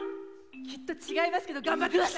きっと違いますけど頑張って下さい。